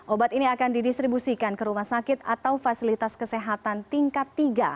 obat ini akan didistribusikan ke rumah sakit atau fasilitas kesehatan tingkat tiga